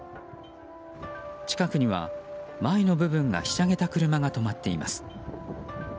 近くには、前の部分がひしゃげた車が止まっています。